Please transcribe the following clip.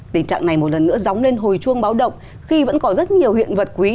tình trạng này một lần nữa dóng lên hồi chuông báo động khi vẫn có rất nhiều hiện vật quý